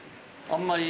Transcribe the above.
あんまり？